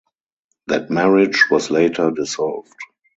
That marriage was later dissolved.